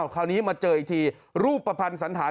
คราวนี้มาเจออีกทีรูปประพันธ์สันธาร